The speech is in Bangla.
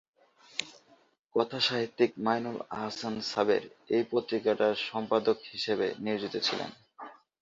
কথাসাহিত্যিক মইনুল আহসান সাবের এই পত্রিকাটির সম্পাদক হিসাবে নিয়োজিত ছিলেন।